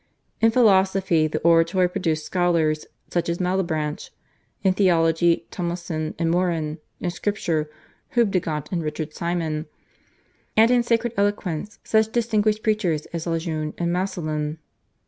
In philosophy the Oratory produced scholars such as Malebranche, in theology Thomassin and Morin, in Scripture Houbigant and Richard Simon, and in sacred eloquence such distinguished preachers as Lajeune and Massillon.